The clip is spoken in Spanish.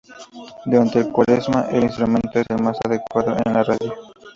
Durante la Cuaresma, el instrumento es el más escuchado en la radio.